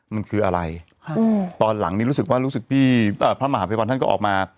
มันคืออะไรตอนหลังนี้รู้สึกว่ารู้สึกที่พระมหาภัยวันท่านก็ออกมา